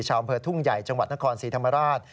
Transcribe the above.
อำเภอทุ่งใหญ่จังหวัดนครศรีธรรมราช